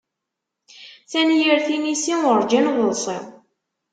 Tanyirt inisi urǧin teḍsi.